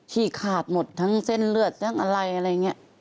ขาดหมดทั้งเส้นเลือดทั้งอะไรอะไรอย่างนี้